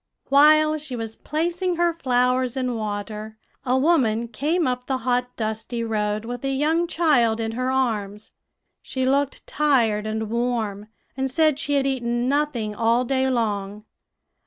"While she was placing her flowers in water, a woman came up the hot, dusty road, with a young child in her arms. She looked tired and warm, and said she had eaten nothing all day long.